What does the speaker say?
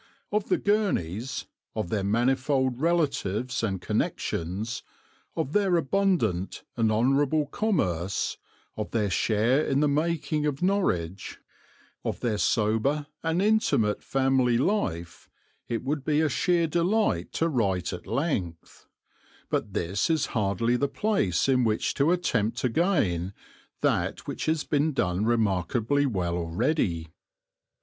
Of the Gurneys, of their manifold relatives and connections, of their abundant and honourable commerce, of their share in the making of Norwich, of their sober and intimate family life, it would be a sheer delight to write at length; but this is hardly the place in which to attempt again that which has been done remarkably well already.